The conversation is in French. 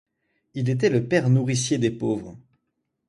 Il était le père nourricier des pauvres.